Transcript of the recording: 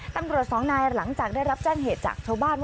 ตำรวจสองนายหลังจากได้รับแจ้งเหตุจากชาวบ้านว่า